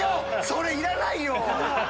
それいらないよ。